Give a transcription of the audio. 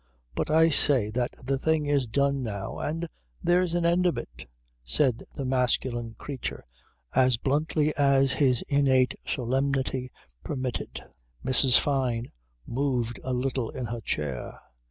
But I say that the thing is done now and there's an end of it," said the masculine creature as bluntly as his innate solemnity permitted. Mrs. Fyne moved a little in her chair.